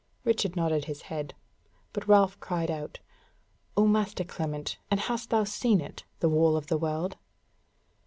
Richard nodded his head; but Ralph cried out: "O Master Clement, and hast thou seen it, the Wall of the World?"